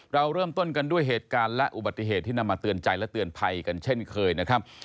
เราเริ่มต้นกันด้วยเหตุการณ์และอุบัติเหตุที่นำมาเตือนใจและเตือนภัยกันเช่นเคยนะครับ